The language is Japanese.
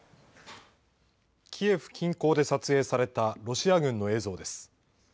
キエフ近郊で撮影されたロシア軍の映像です。